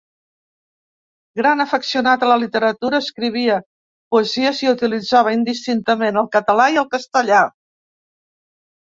Gran afeccionat a la literatura, escrivia poesies i utilitzava indistintament el català i el castellà.